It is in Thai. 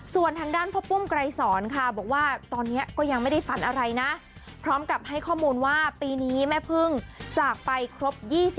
ส่วนทางด้านพ่อปุ้มไกรสอนค่ะบอกว่าตอนนี้ก็ยังไม่ได้ฝันอะไรนะพร้อมกับให้ข้อมูลว่าปีนี้แม่พึ่งจากไปครบ๒๐